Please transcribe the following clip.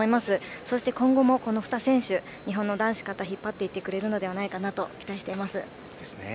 そして今後も、この２選手が日本の男子形を引っ張っていってくれるのではと期待しています。